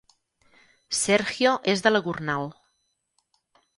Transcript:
Sergio és de la Gornal